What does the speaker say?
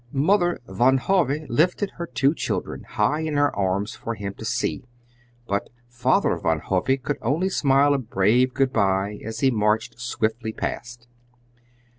Mother Van Hove lifted her two children high in her arms for him to see, but Father Van Hove could only smile a brave good bye as he marched swiftly past.